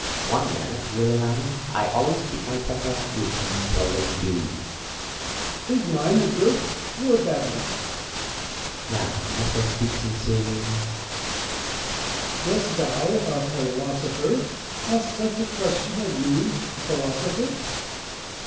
One merit you will allow me : ,1 always keep my temper ; which you seldom do. Diogenes. Is mine a good or a bad one ? Plato. Now, must I speak sincerely ] Diogenes. Dost thou, a philosopher, ask such a question of me, a philosopher